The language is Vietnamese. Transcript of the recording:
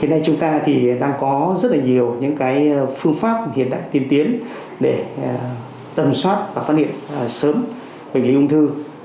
hiện nay chúng ta thì đang có rất là nhiều những phương pháp hiện đại tiên tiến để tầm soát và phát hiện sớm bệnh lý ung thư